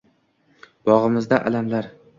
Bo’g’zimda alamlar